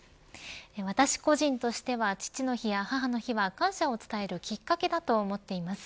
私個人としては父の日や母の日は感謝を伝えるきっかけだと思っています。